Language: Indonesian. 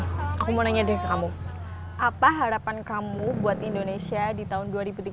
aku mau nanya ke kamu apa harapan kamu buat indonesia di tahun dua ribu tiga puluh